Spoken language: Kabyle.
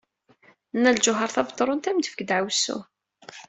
Nna Lǧuheṛ Tabetṛunt ad am-tefk ddeɛwessu.